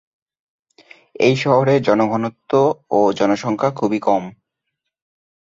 এই শহরে জনঘনত্ব ও জনসংখ্যা খুবই কম।